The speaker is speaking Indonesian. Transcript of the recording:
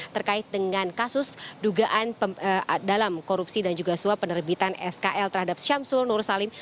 terkait dengan kasus dugaan dalam korupsi dan juga suap penerbitan skl terhadap syamsul nur salim